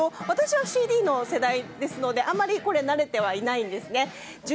私はＣＤの世代ですのであまり慣れてはいないんです。